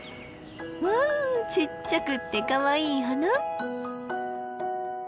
わあちっちゃくってかわいい花！